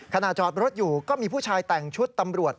จอดรถอยู่ก็มีผู้ชายแต่งชุดตำรวจ